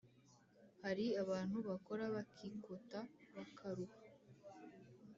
Hari abantu bakora bakikota, bakaruha,